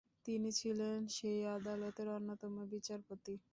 তিনি ছিলেন সেই আদালতের অন্যতম বিচারপতি।